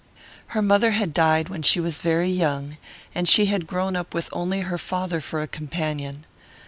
Her mother had died when she was very young, and she had grown up with only her father for a companion.